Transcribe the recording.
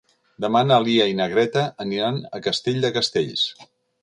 Demà na Lia i na Greta aniran a Castell de Castells.